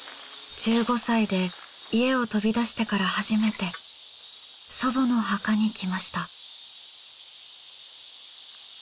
１５歳で家を飛び出してから初めて祖母の墓に来ました。